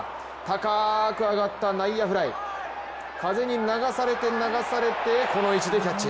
高く上がった内野フライ風に流されて流されてこの位置でキャッチ。